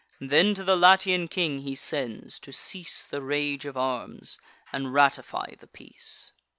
Then to the Latian king he sends, to cease The rage of arms, and ratify the peace.